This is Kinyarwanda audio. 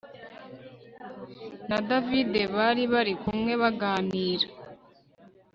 na david bari bari kumwe baganira